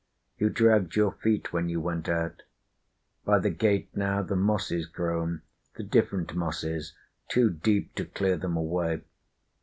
You dragged your feet when you went out. By the gate now, the moss is grown, the different mosses, Too deep to clear them away!